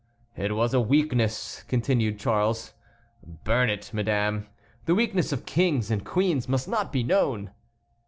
"It was a weakness," continued Charles; "burn it, madame. The weakness of kings and queens must not be known!"